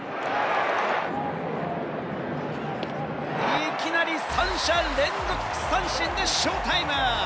いきなり三者連続三振でショータイム！